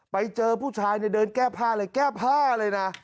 ไปเจอผู้ชายเนี่ยเดินแก้ผ้าเลยแก้ผ้าเลยนะ